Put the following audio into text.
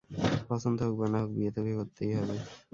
পছন্দ হোক বা না হোক, বিয়ে তোকে করতেই হবে।